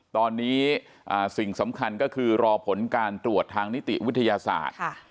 ตอนนี้สิ่งสำคัญก็คือรอผลการตรวจทางนิติวิทยาศาสตร์